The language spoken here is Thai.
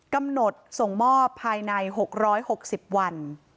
กำหนดส่งมอบภายใน๖๖๐วัน